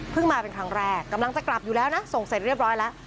มาเป็นครั้งแรกกำลังจะกลับอยู่แล้วนะส่งเสร็จเรียบร้อยแล้ว